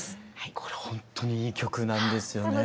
これほんとにいい曲なんですよね。